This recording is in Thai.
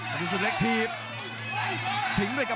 กระดูกศึกเล็กทีบ